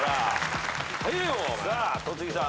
さあ戸次さん